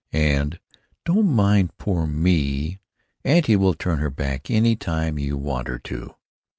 and: "Don't mind poor me. Auntie will turn her back any time you want her to."